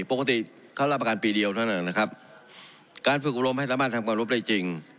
ปกติเขารับประกันปีเดียวเท่านั้นนะครับการฝึกอุรมให้สามารถทำความรบได้จริง